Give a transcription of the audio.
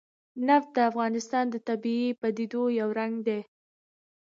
نفت د افغانستان د طبیعي پدیدو یو رنګ دی.